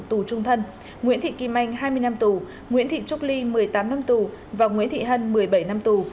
tù trung thân nguyễn thị kim anh hai mươi năm tù nguyễn thị trúc ly một mươi tám năm tù và nguyễn thị hân một mươi bảy năm tù